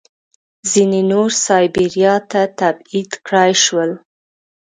ځینې نور سایبیریا ته تبعید کړای شول